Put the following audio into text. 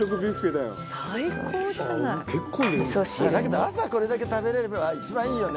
「だけど朝これだけ食べれれば一番いいよね」